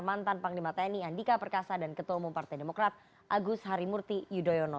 mantan panglima tni andika perkasa dan ketua umum partai demokrat agus harimurti yudhoyono